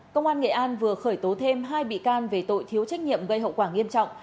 công an nghệ an vừa khởi tố thêm hai bị can về tội thiếu trách nhiệm gây hậu quả nghiêm trọng